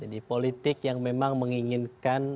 jadi politik yang memang menginginkan kebangsaan